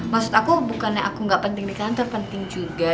maksud aku bukannya aku gak penting di kantor penting juga